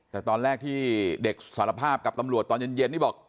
แต่ตอนแรกที่เด็กสารภาพกับตำรวจตอนเย็นนี่บอก